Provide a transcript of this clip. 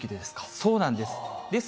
そうなんです。